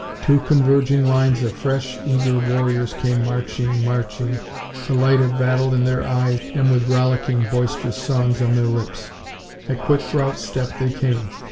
Two converging lines of fresh, eager warriors came marching, marching, the light of battle in their eyes and with rollicking, boisterous songs on their lips. At quick rout step they came.